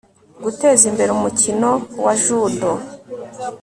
Guteza Imbere umukino wa Judo